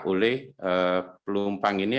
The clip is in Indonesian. oleh pelumpang ini